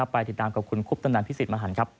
ไปติดตามกับคุณคุปตนันพิสิทธิมหันครับ